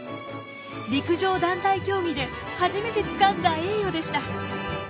陸上団体競技で初めてつかんだ栄誉でした。